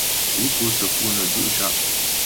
É kǒ səku nə́ dzʉ' ca'.